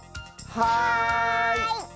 はい！